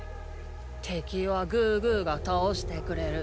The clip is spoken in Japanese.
てきはグーグーがたおしてくれる。